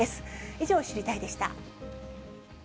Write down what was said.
以上、知りたいッ！でした。